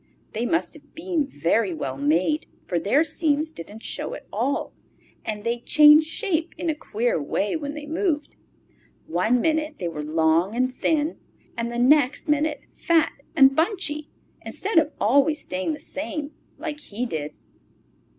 They must have been very well made, for their seams didn't show at all, and they changed shape in a queer way when they moved; one minute they were long and thin and the next minute fat and bunchy, instead of always staying the same like he did.